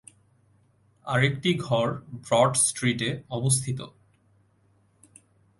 আরেকটি ঘর ব্রড স্ট্রিটে অবস্থিত।